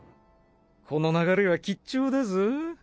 この流れは吉兆だぞ。